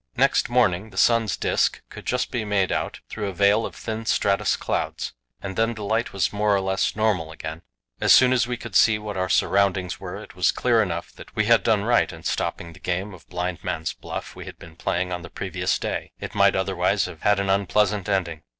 Next morning the sun's disc could just be made out through a veil of thin stratus clouds, and then the light was more or less normal again. As soon as we could see what our surroundings were, it was clear enough that we had done right in stopping the game of blind man's buff we had been playing on the previous day. It might otherwise have had an unpleasant ending.